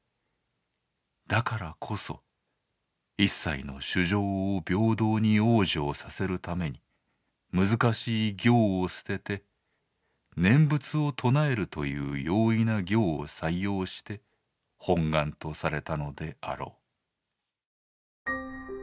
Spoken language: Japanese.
だからこそ一切の衆生を平等に往生させるために難しい行を捨てて念仏を称えるという容易な行を採用して本願とされたのであろう」。